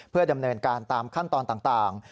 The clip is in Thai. เพื่อดำเนินการตามขั้นตอนต่าง